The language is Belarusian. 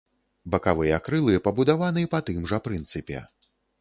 Бакавыя крылы пабудаваны па тым жа прынцыпе.